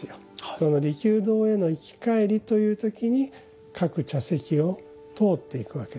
その利休堂への行き帰りという時に各茶席を通っていくわけですね。